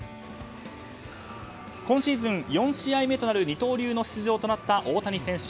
今シーズン４試合目となる二刀流の出場となった大谷選手。